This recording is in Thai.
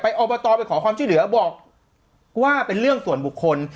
อบตไปขอความช่วยเหลือบอกว่าเป็นเรื่องส่วนบุคคล